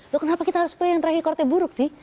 tuh kenapa kita harus pay yang track recordnya buruk sih